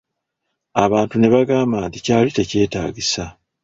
Abantu ne bagamba nti kyali tekyetaagisa.